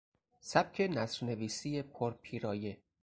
سبک نثر نویسی پر پیرایه